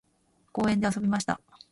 公園で遊びました。